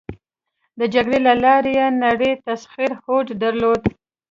د جګړې له لارې یې نړی تسخیر هوډ درلود.